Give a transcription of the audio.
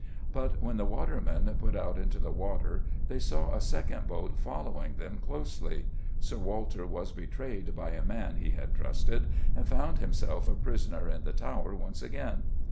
But when the watermen put out into the river they saw a second boat following them closely; Sir Walter was betrayed by a man he had trusted, and found himself a prisoner in the Tower once again.